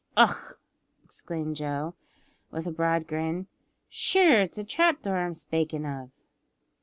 "Och!" exclaimed Joe, with a broad grin, "sure it's a trap door I'm spakin' of."